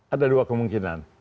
ada dua kemungkinan